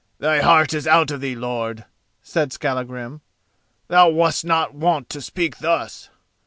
"Thy heart is out of thee, lord," said Skallagrim; "thou wast not wont to speak thus."